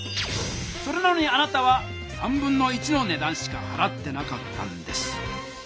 それなのにあなたは1/3のねだんしかはらってなかったんです。